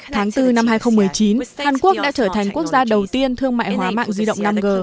tháng bốn năm hai nghìn một mươi chín hàn quốc đã trở thành quốc gia đầu tiên thương mại hóa mạng di động năm g